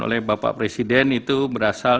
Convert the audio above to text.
oleh bapak presiden itu berasal